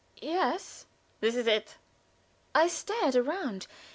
"Yes." "This is it." I stared around.